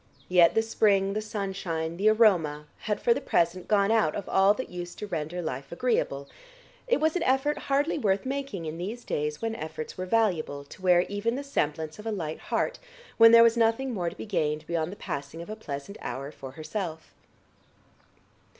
Yet the spring, the sunshine, the aroma had for the present gone out of all that used to render life agreeable; it was an effort hardly worth making in these days when efforts were valuable, to wear even the semblance of a light heart when there was nothing more to be gained beyond the passing of a pleasant hour for herself.